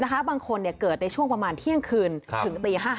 นะคะบางคนเนี่ยเกิดในช่วงประมาณเที่ยงคืนถึงตี๕๕๙